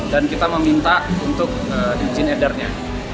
dan kita meminta untuk dijin edarnya